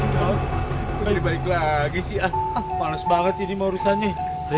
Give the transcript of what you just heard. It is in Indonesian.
d'ar boleh balik lagi sih an pales banget sih ini urusannya